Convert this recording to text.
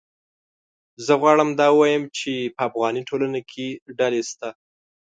زه غواړم دا ووایم چې په افغاني ټولنه کې ډلې شته